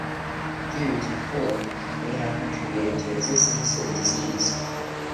Jews in Poland may have contributed to resistance to the disease.